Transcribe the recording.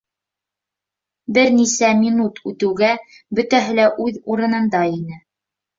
Бер нисә минут үтеүгә бөтәһе лә үҙ урынында ине.